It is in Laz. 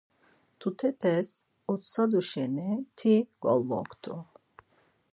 Mtutepes otsadu şeni ti golvoktu.